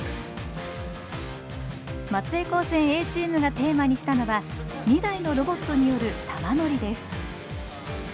松江高専Ａチームがテーマにしたのは２台のロボットによる「玉乗り」です。